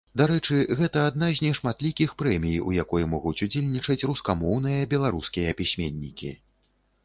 Дарэчы, гэта адна з нешматлікіх прэмій, у якой могуць удзельнічаць рускамоўныя беларускія пісьменнікі.